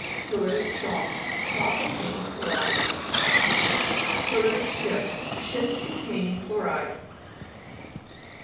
CHLO'HITIC CHALK Chalk contain ing chlorite. CHLO'RITIC SCHIST Schist contain ing chlorite.